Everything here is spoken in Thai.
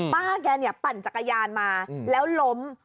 ป้าแกปั่นจักรยานมาแล้วล้ม